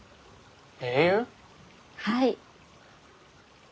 はい。